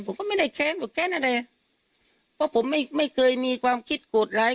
ผมก็ไม่ได้แค้นผมแค้นอะไรเพราะผมไม่ไม่เคยมีความคิดโกรธร้าย